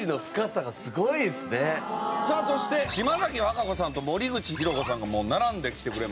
さあそして島崎和歌子さんと森口博子さんがもう並んで来てくれましたよ。